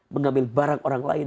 mengambil barang orang lain